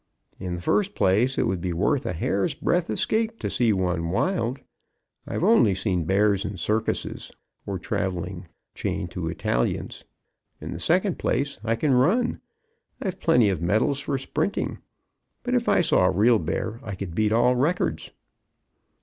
"In the first place, it would be worth a hairbreadth escape to see one wild; I've only seen bears in circuses, or traveling chained to Italians; in the second place, I can run. I've plenty of medals for sprinting, but if I saw a real bear I could beat all records."